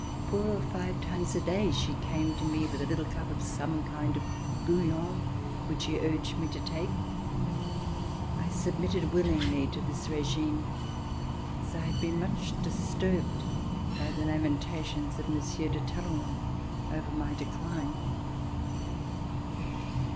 Four RECOLLECTIONS OF THE REVOLUTION or five times a day she came to me with a little cup of some kind of bouillon which she urged me to take. I submitted willingly to this regime as I had been much disturbed by the lamentations of Monsieur de Talleyrand over my decline.